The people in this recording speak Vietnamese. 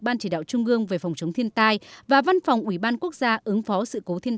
ban chỉ đạo trung ương về phòng chống thiên tai và văn phòng ủy ban quốc gia ứng phó sự cố thiên